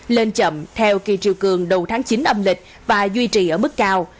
lên chậm theo kỳ triều cường đầu tháng chín âm lịch và duy trì ở mức cao